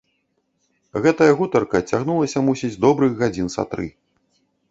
Гэтая гутарка цягнулася, мусіць, добрых гадзін са тры.